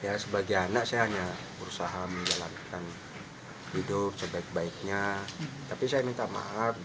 ya sebagai anak saya hanya berusaha menjalankan hidup sebaik baiknya